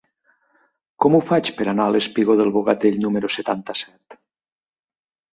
Com ho faig per anar al espigó del Bogatell número setanta-set?